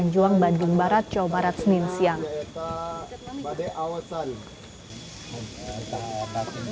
jangan lupa like share dan subscribe ya